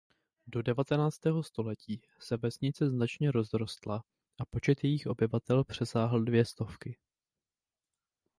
Do devatenáctého století se vesnice značně rozrostla a počet jejích obyvatel přesáhl dvě stovky.